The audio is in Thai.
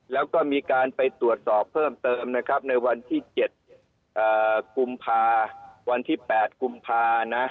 แล้วก็มีการไปตรวจสอบเพิ่มเติมนะครับในวันที่๗กุมภาวันที่๘กุมภานะ